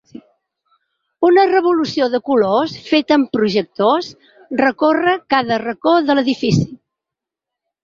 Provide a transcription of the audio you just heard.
Una revolució de colors, feta amb projectors, recórrer cada racó de l’edifici.